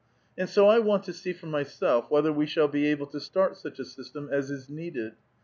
And so I weint to see for myself whether we 8»all be able to stait such a system as is needed.